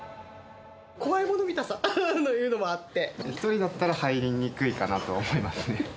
怖いもの見たさというのもあ１人だったら入りにくいかなとは思いますね。